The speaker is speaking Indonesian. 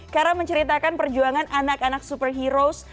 karena menceritakan perjuangan anak anak super heroes